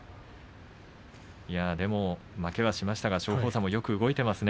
でも、負けはしましたが松鳳山もよく動いていますね。